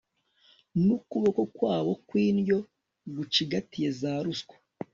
n'ukuboko kwabo kw'indyo gucigatiye za ruswa